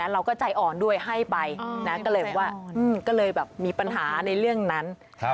เราก็จ่ายอ่อนด้วยให้ไปก็เลยแบบมีปัญหาในเรื่องนั้น